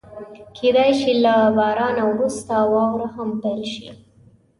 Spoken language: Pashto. کېدای شي له بارانه وروسته واوره هم پيل شي.